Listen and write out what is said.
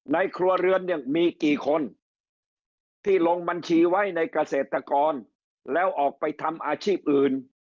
ครัวเรือนเนี่ยมีกี่คนที่ลงบัญชีไว้ในเกษตรกรแล้วออกไปทำอาชีพอื่น